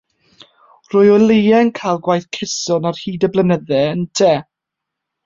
Rwy o leia yn cael gwaith cyson ar hyd y blynydde ynte.